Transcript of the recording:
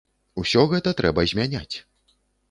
Усё гэта трэба змяняць.